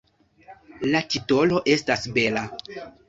La titolo estas bela.